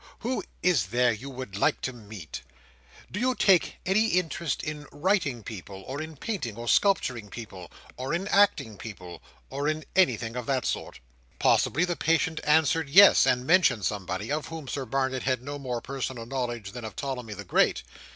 Who is there you would wish to meet? Do you take any interest in writing people, or in painting or sculpturing people, or in acting people, or in anything of that sort?" Possibly the patient answered yes, and mentioned somebody, of whom Sir Barnet had no more personal knowledge than of Ptolemy the Great.